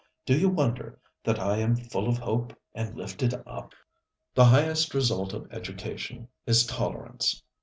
Do you wonder that I am full of hope and lifted up? The highest result of education is tolerance.